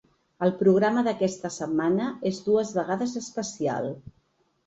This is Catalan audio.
El programa d’aquesta setmana és dues vegades especial.